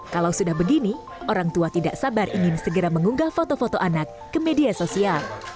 kalau sudah begini orang tua tidak sabar ingin segera mengunggah foto foto anak ke media sosial